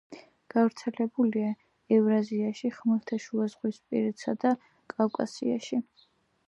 გავრცელებულია ევრაზიაში, ხმელთაშუაზღვისპირეთსა და კავკასიაში.